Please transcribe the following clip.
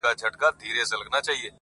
په داسي خوب ویده دی چي راویښ به نه سي~